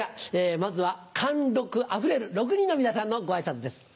まずは貫ロクあふれる６人の皆さんのご挨拶です。